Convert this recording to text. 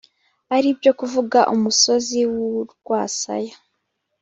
ari byo kuvuga umusozi w'urwasaya